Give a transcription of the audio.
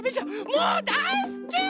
もうだいすき！